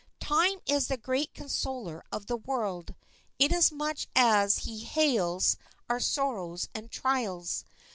Time is the great consoler of the world, inasmuch as he heals our sorrows and trials.